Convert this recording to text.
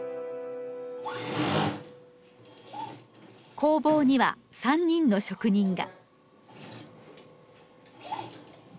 工房には３人の職人が。